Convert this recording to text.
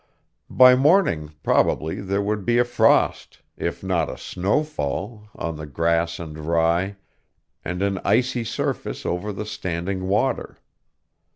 By morning, probably, there would be a frost, if not a snowfall, on the grass and rye, and an icy surface over the standing water.